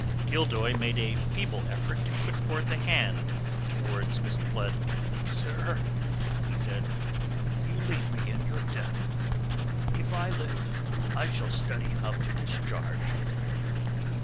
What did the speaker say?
Gildoy made a feeble effort to put forth a hand towards Mr. Blood. "Sir," he said, "you leave me in your debt. If I live I shall study how to discharge it."